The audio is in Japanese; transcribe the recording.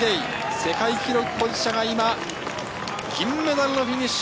世界記録保持者が今、銀メダルのフィニッシュ。